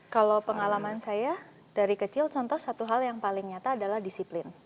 kalau pengalaman saya dari kecil contoh satu hal yang paling nyata adalah disiplin